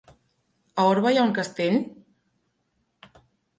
A Orba hi ha un castell?